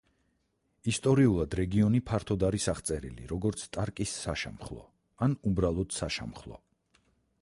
ისტორიულად, რეგიონი ფართოდ არის აღწერილი, როგორც ტარკის საშამხლო ან უბრალოდ საშამხლო.